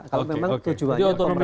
kalau memang tujuannya kompetensi ekonomi